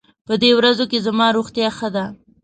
په دې ورځو کې زما روغتيا ښه ده.